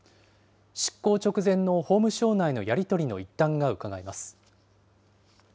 執行直前の法務省内のやり取りの一端がうかがえます。